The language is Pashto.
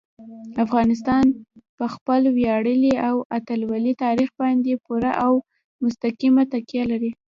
افغانستان په خپل ویاړلي او اتلولۍ تاریخ باندې پوره او مستقیمه تکیه لري.